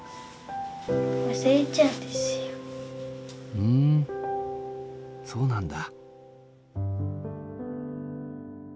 ふんそうなんだ。